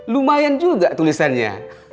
lumayan juga tulisannya